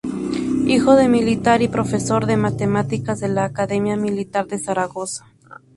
Hijo de militar y profesor de matemáticas de la Academia Militar de Zaragoza.